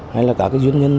hay là các doanh nhân